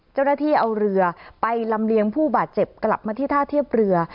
เจ้าหน้าที่เอาเรือไปลำเลียงผู้บาดเจ็บกลับมาที่ท่าเทียบเรือ